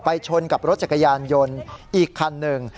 ชนกับรถจักรยานยนต์อีกคันหนึ่ง